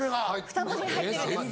２文字に入ってるんです。